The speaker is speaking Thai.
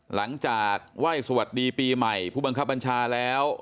หลังจากไหว้สวัสดีปีใหม่ผู้บังคับบัญชาแล้ว